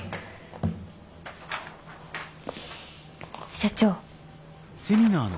社長。